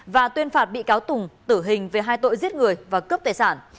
và tuyên phạt bị cáo tùng tử hình về hai tội giết người và cướp tài sản